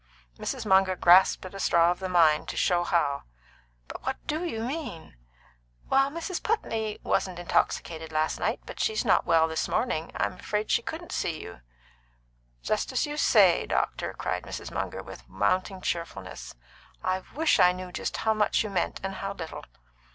Mrs. Munger grasped at a straw of the mind, to show how. "But what do you mean?" "Well, Mrs. Putney wasn't intoxicated last night, but she's not well this morning. I'm afraid she couldn't see you." "Just as you say, doctor," cried Mrs. Munger, with mounting cheerfulness. "I wish I knew just how much you meant, and how little."